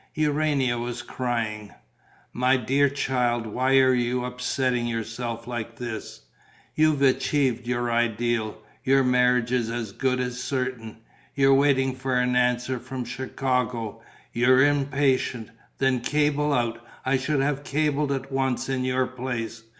Urania was crying. "My dear child, why are you upsetting yourself like this? You've achieved your ideal. Your marriage is as good as certain. You're waiting for an answer from Chicago? You're impatient? Then cable out. I should have cabled at once in your place.